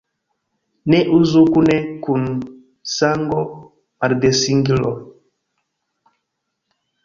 Ne uzu kune kun sango-maldensigiloj.